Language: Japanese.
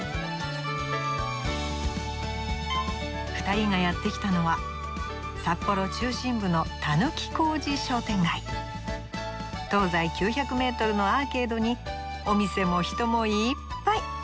２人がやって来たのは札幌中心部の東西９００メートルのアーケードにお店も人もいっぱい。